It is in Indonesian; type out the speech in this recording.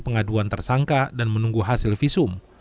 pengaduan tersangka dan menunggu hasil visum